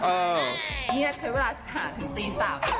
หมมเงี๊ยดเค้าจะเผื่อเวลาสุด